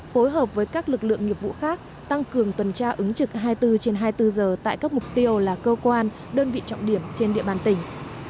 phối hợp với các lực lượng nghiệp vụ khác tăng cường tuần tra ứng trực hai mươi bốn trên hai mươi bốn giờ tại các mục tiêu là cơ quan đơn vị trọng điểm trên địa bàn tỉnh